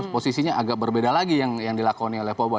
posisinya agak berbeda lagi yang dilakoni oleh poba